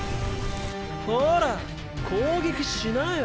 ほら攻撃しなよ。